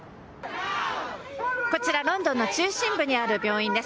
こちら、ロンドンの中心部にある病院です。